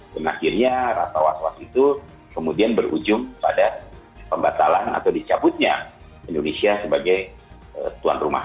dan akhirnya rata waswat itu kemudian berujung pada pembatalan atau dicabutnya indonesia sebagai tuan rumah